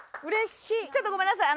ちょっとごめんなさい。